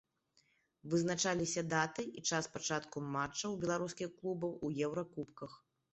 Вызначыліся даты і час пачатку матчаў беларускіх клубаў у еўракубках.